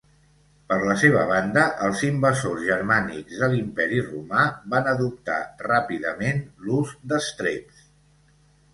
Per la seva banda, els invasors germànics de l'Imperi Romà van adoptar ràpidament l'ús d'estreps.